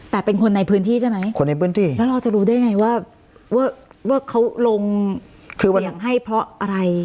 แล้วต้องให้ผมร่วมคนในพื้นที่แต่เราจะรู้ได้ไงว่าเขาลงเฉียงให้เพราะอะไร